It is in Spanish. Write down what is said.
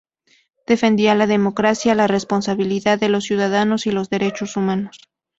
Defendían la democracia, la responsabilidad de los ciudadanos y los derechos humanos.